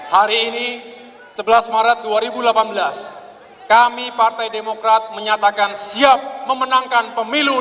hari ini sebelas maret dua ribu delapan belas kami partai demokrat menyatakan siap memenangkan pemilu dua ribu sembilan belas